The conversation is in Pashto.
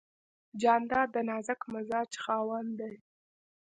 جانداد د نازک مزاج خاوند دی.